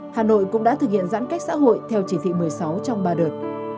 hà nội cũng đã thực hiện giãn cách xã hội theo chỉ thị một mươi sáu trong ba đợt